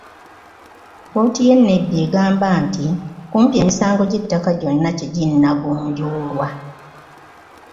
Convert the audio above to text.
Kkooti y'e Nebbi egamba nti kumpi emisango gy'ettaka gyonna teginnagonjoolwa.